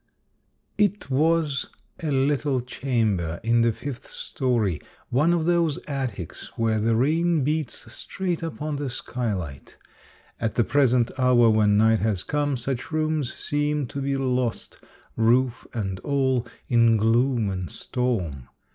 It was a little chamber in the fifth story, one of those attics where the rain beats straight upon the skylight ; at the present hour, when night has come, such rooms seem to be lost, roof and all, in gloom and storm.